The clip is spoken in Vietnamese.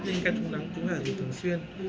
nên kem chống nắng chúng ta dùng thường xuyên